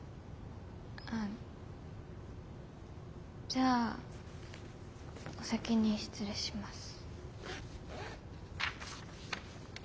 あじゃあお先に失礼します。